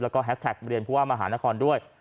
แล้วก็แฮสแท็กเรียนผู้ว่ามหานครด้วย